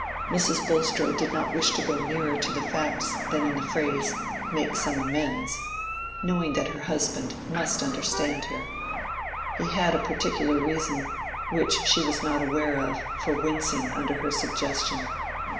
Mrs. Bulstrode did not wish to go nearer to the facts than in the phrase "make some amends;" knowing that her husband must understand her. He had a particular reason, which she was not aware of, for wincing under her suggestion.